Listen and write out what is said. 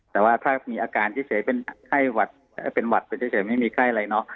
แต่ว่าถ้ามีอาการเฉยเป็นไข้หวัดเป็นหวัดไปเฉยไม่มีไข้อะไรเนาะ